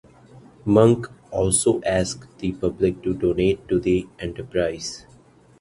Munk also asked the public to donate to the enterprise.